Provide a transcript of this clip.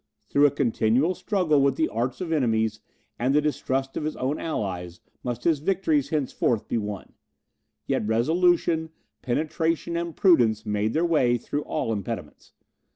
Through a continual struggle with the arts of enemies, and the distrust of his own allies, must his victories henceforth be won; yet resolution, penetration, and prudence made their way through all impediments.